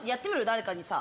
誰かにさ。